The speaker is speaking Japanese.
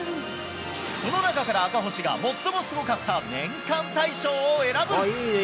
その中から赤星がもっともすごかった年間大賞を選ぶ。